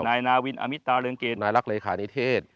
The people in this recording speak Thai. นายนาวินอมิตาเรืองเกตนายรักเลขานิเทศ